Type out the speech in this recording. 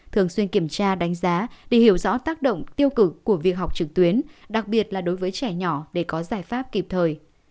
thường xuyên kiểm tra đánh giá để hiểu rõ tác động tiêu cực của việc học trực tuyến đặc biệt là đối với trẻ nhỏ để có giải pháp kịp thời